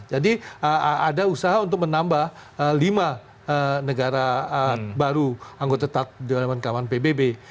ada usaha untuk menambah lima negara baru anggota tetap dewan keamanan pbb